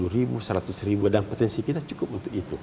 sepuluh ribu seratus ribu dan potensi kita cukup untuk itu